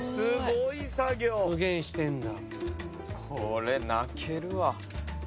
これ泣けるわ。